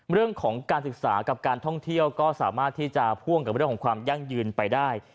เรื่องของการศึกษากับการท่องเที่ยวก็สามารถที่จะพ่วงกับเรื่องของความยั่งยืนไปได้